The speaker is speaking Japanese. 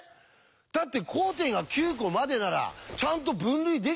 だって交点が９コまでならちゃんと分類できたんでしょ？